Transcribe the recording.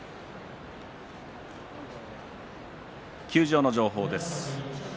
休場の情報です。